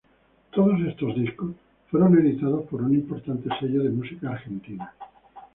Todos estos discos fueron editados por un importante sello de música argentina.